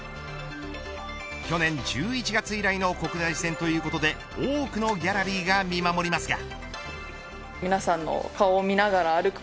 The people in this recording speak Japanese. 去年１１月以来の国内戦ということで多くのギャラリーが見守りますが。